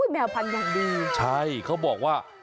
แมวพันธุ์อย่างดีใช่เขาบอกว่า